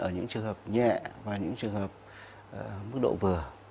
ở những trường hợp nhẹ và những trường hợp mức độ vừa